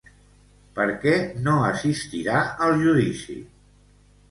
Per què no assistirà al judici?